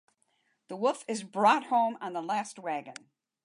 The Wolf is brought home on the last wagon.